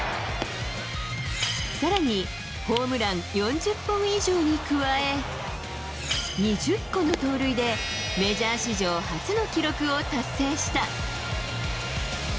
さらにホームラン４０本以上に加え、２０個の盗塁でメジャー史上初の記録を達成した。